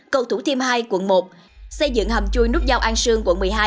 cầu thủ thiêm hai quận một xây dựng hầm chui nút giao an sương quận một mươi hai